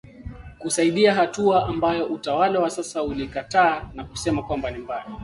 kusaidia hatua ambayo utawala wa sasa ulikataa na kusema kwamba ni mbaya